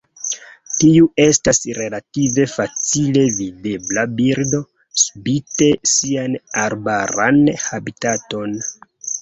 Tiu estas relative facile videbla birdo, spite sian arbaran habitaton.